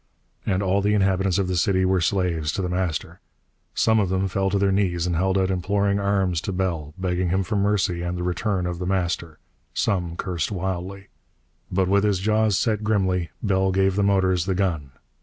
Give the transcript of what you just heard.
And all the inhabitants of the city were slaves to The Master. Some of them fell to their knees and held out imploring arms to Bell, begging him for mercy and the return of The Master. Some cursed wildly. But, with his jaws set grimly, Bell gave the motors the gun.